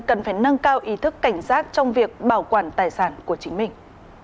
cần phải nâng cao ý thức cảnh giác trong việc bảo quản tài sản của chính mình